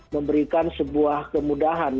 memberikan sebuah kemudahan